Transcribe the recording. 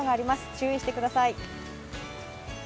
注意してください。